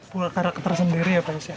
pula karakter sendiri ya pak nusyad